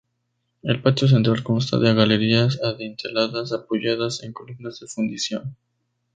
El patio central consta de galerías adinteladas apoyadas en columnas de fundición.